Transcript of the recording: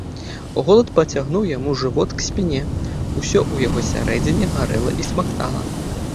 Голад падцягнуў яму жывот к спіне, усё ў яго сярэдзіне гарэла і смактала.